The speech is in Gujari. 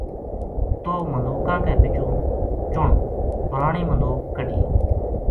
توہ مدوکاں کے بِچوں چُن پرانی مدوک کڈھنیے‘‘